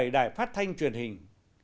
sáu mươi bảy đài phát thanh truyền hình